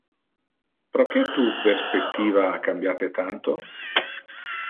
Proque tu perspectiva ha cambiate tanto?